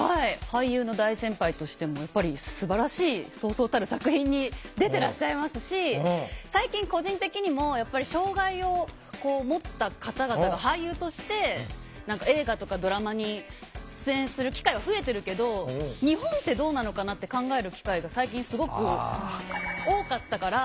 俳優の大先輩としてもやっぱりすばらしいそうそうたる作品に出てらっしゃいますし最近個人的にもやっぱり障害をもった方々が俳優として映画とかドラマに出演する機会が増えてるけど日本ってどうなのかなって考える機会が最近すごく多かったから。